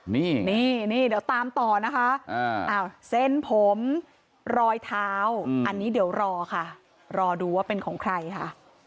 นี่นี่เดี๋ยวตามต่อนะคะเส้นผมรอยเท้าอันนี้เดี๋ยวรอค่ะรอดูว่าเป็นของใครค่ะ